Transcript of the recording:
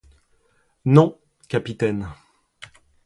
Non, capitaine.